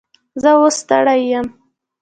زه اوس ستړی یم